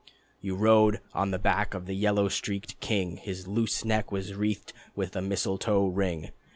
You rode on the back of the yellow streaked king, His loose neck was wreathed with a mistletoe ring.